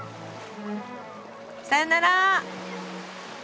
さよなら。